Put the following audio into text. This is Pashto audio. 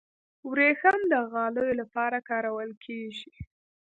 وریښم د غالیو لپاره کارول کیږي.